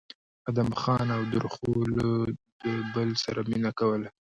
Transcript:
ادم خان او درخو له د بل سره مينه کوله